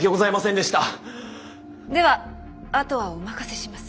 ではあとはお任せします。